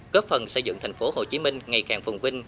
góp phần xây dựng thành phố hồ chí minh ngày càng phùng vinh